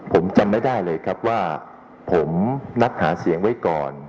ผมจำไม่ได้เลยครับว่าผมนัดหาเสียงไว้ก่อน